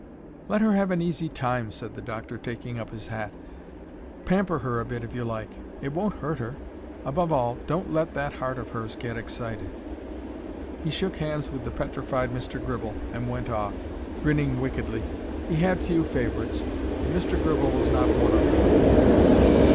"Let her have an easy time," said the doctor, taking up his hat. "Pamper her a bit if you like; it won't hurt her. Above all, don't let that heart of hers get excited." He shook hands with the petrified Mr. Gribble and went off, grinning wickedly. He had few favourites, and Mr. Gribble was not one of them.